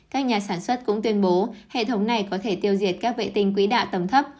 các nhà sản xuất cũng tuyên bố hệ thống này có thể tiêu diệt các vệ tinh quỹ đạo tầm thấp